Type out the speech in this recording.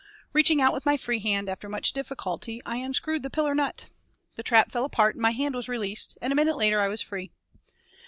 Reaching out with my free hand, after much difficulty I unscrewed the pillar nut. The trap fell apart and my hand was released, and a minute later I was free.